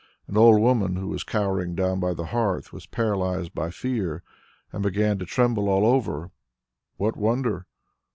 An old woman who was cowering down by the hearth was paralysed by fear and began to tremble all over. What wonder?